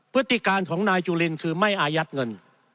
พฤติการของนายจุลินคือไม่อายัดเงิน